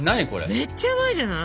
めっちゃうまいじゃない！